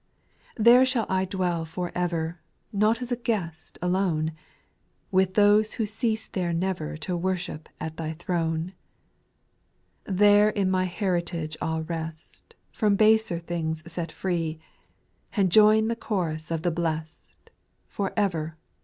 9. There shuU I dwell for ever, Not as a guest alone, With those who cease there never To worship at Thy throne ; There in my heritage, I '11 rest, From baser things set free, And join the chorus of the blest For ever.